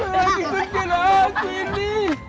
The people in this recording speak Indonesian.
lagi kutu dia lah aku ini